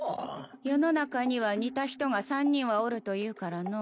世の中には似た人が３人はおるというからのう。